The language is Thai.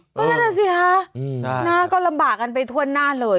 ไม่ได้เลยสิฮะน่าก็ลำบากกันไปถ้วนหน้าเลย